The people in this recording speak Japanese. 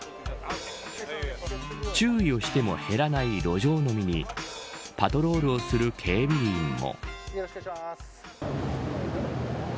注意をしても減らない路上飲みにパトロールをする警備員も。